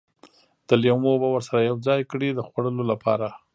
د لیمو اوبه ورسره یوځای کړي د خوړلو لپاره.